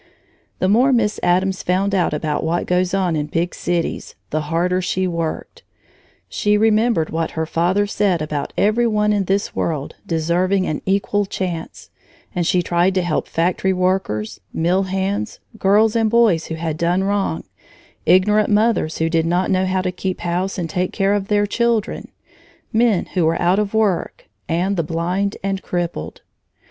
The more Miss Addams found out about what goes on in big cities, the harder she worked. She remembered what her father said about every one in this world deserving an equal chance, and she tried to help factory workers, mill hands, girls and boys who had done wrong, ignorant mothers who did not know how to keep house and take care of their children, men who were out of work, and the blind and crippled.